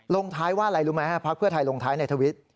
ลงท้ายว่าอะไรรู้ไหมฮะพักเพื่อไทยลงท้ายในทวิต